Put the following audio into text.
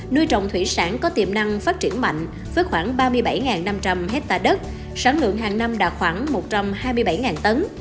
nuôi trồng thủy sản có tiềm năng phát triển mạnh với khoảng ba mươi bảy năm trăm linh hectare đất sản lượng hàng năm đạt khoảng một trăm hai mươi bảy tấn